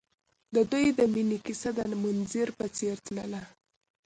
د دوی د مینې کیسه د منظر په څېر تلله.